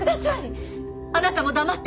あなたも黙ってないで。